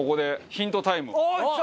ヒントタイム。